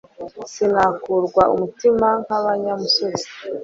sinakurwa umutima nkabanyamusozi